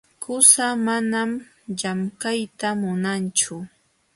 Qusaa manam llamkayta munanchu.